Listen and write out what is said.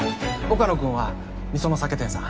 岡野君は三園酒店さん。